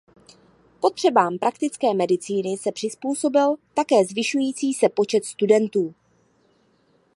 Potřebám praktické medicíny se přizpůsobil také zvyšující se počet studentů.